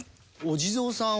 お地蔵さん。